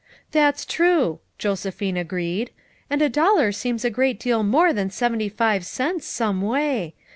"That's true," Josephine agreed* "And a dollar seems a great deal more than seventy five cents, some way.